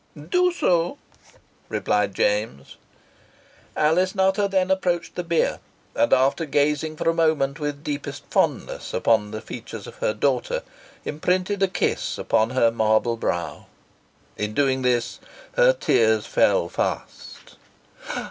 "Do so," replied James. Alice Nutter then approached the bier, and, after gazing for a moment with deepest fondness upon the features of her daughter, imprinted a kiss upon her marble brow. In doing this her tears fell fast.